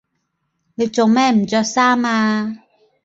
你做咩唔着衫呀？